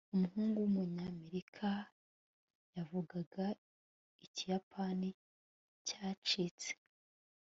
umuhungu wumunyamerika yavugaga ikiyapani cyacitse